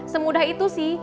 semudah itu sih